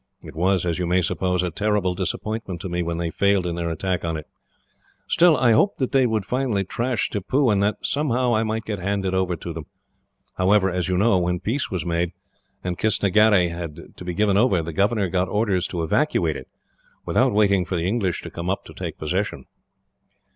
It was, as you may suppose, a terrible disappointment to me when they failed in their attack on it. Still, I hoped that they would finally thrash Tippoo, and that, somehow, I might get handed over to them. However, as you know, when peace was made, and Kistnagherry had to be given over, the governor got orders to evacuate it, without waiting for the English to come up to take possession.